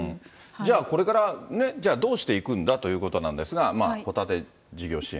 じゃあ、これからね、じゃあ、どうしていくんだということなんですが、ホタテ事業支援。